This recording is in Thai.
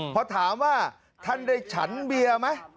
พอถามว่าท่านได้ฉันเบียร์ไหม